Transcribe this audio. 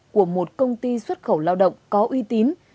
của một công ty xuất khẩu lao động có uy tín